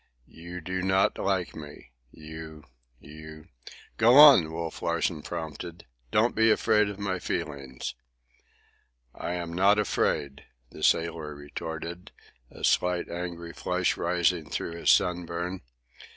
"You do not like me. You—you—" "Go on," Wolf Larsen prompted. "Don't be afraid of my feelings." "I am not afraid," the sailor retorted, a slight angry flush rising through his sunburn.